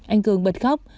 anh cường bật khóc